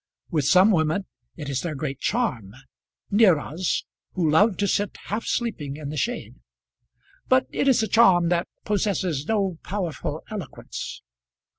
With some women it is their great charm, Neæras who love to sit half sleeping in the shade, but it is a charm that possesses no powerful eloquence.